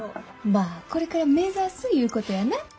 まあこれから目指すいうことやな。